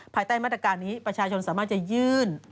ภายใต้มาตรการนี้ประชาชนสามารถจะยื่น